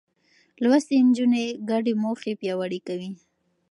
لوستې نجونې ګډې موخې پياوړې کوي.